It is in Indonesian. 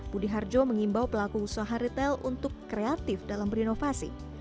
budi harjo mengimbau pelaku usaha retail untuk kreatif dalam berinovasi